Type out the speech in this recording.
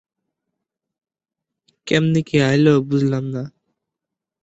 এসব দেখে সানাই এর গা জ্বলে যায়।